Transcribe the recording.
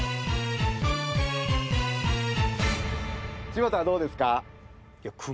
柴田はどうですか？